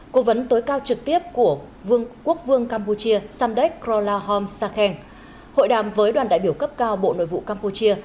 cố vấn tối cao trực tiếp của quốc vương campuchia samdech krolahom sakeng hội đàm với đoàn đại biểu cấp cao bộ nội vụ campuchia